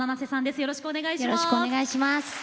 よろしくお願いします。